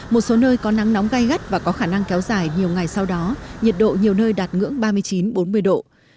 một số nơi có nắng nóng gai gắt và có khả năng kéo dài nhiều ngày sau đó nhiệt độ nhiều nơi đạt ngưỡng ba mươi chín bốn mươi độ